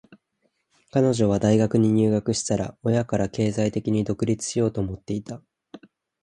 彼女は大学に入学したら、親から経済的に独立しようと思っていた。